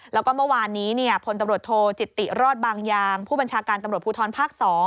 แล้วก็เมื่อวานนี้พลตำรวจโทจิตติรอดบางยางผู้บัญชาการตำรวจภูทรภาค๒